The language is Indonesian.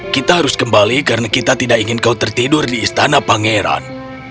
kita harus kembali karena kita tidak ingin kau tertidur di istana pangeran